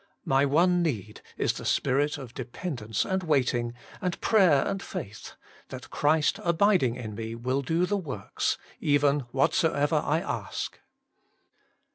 My one need is the spirit of dependence and wait ing, and prayer and faith, that Christ abid ing in me will do the works, even what soever I ask.